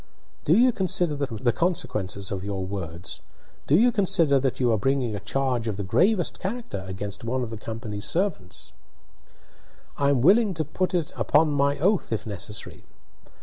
"Do you consider the consequences of your words? Do you consider that you are bringing a charge of the gravest character against one of the company's servants?" "I am willing to be put upon my oath, if necessary.